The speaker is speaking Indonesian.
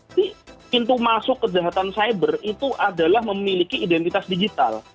ini pintu masuk ke jahatan cyber itu adalah memiliki identitas digital